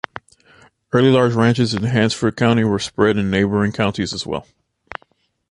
Early large ranches in Hansford County were spread in neighboring counties as well.